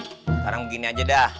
sekarang begini aja dah